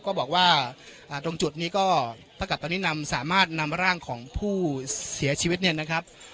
ก็บอกว่าตรงจุดนี้ก็เท่ากับตอนนี้นำสามารถนำร่างของผู้เสียชีวิตเนี่ยนะครับ